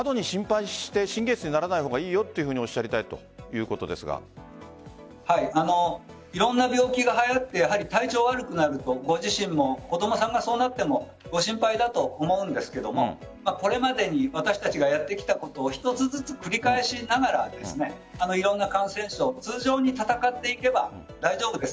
中野先生、最後にあまり過度に心配して神経質にならないほうがいいよとおっしゃりたいということですがいろんな病気がはやると体調が悪くなるとご自身も子供さんがそうなってもご心配だと思うんですがこれまでに私たちがやってきたことを一つずつ繰り返しながらいろんな感染症と通常に戦っていけば大丈夫です。